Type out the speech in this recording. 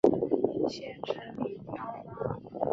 县治米尼奥拉。